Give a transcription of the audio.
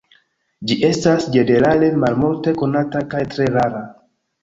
Ĝi estas ĝenerale malmulte konata kaj tre rara.